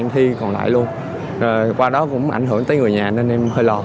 thì em thi còn lại luôn rồi qua đó cũng ảnh hưởng tới người nhà nên em hơi lo